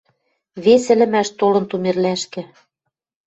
Вес ӹлӹмӓш толын Тумерлӓшкӹ: